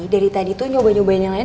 dari tadi tuh nyoba nyobain yang lain